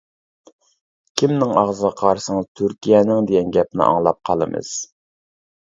كىمنىڭ ئاغزىغا قارىسىڭىز تۈركىيەنىڭ دېگەن گەپنى ئاڭلاپ قالىمىز.